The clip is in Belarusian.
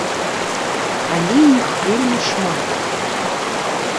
Але іх вельмі шмат.